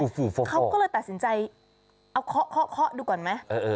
ฝูกฟอกฟอกเค้าก็เลยตัดสินใจเอาเคาะเคาะเคาะดูก่อนไหมเออเออ